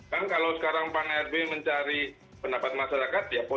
kan kalau sekarang pak ngeri mencari pendapat masyarakat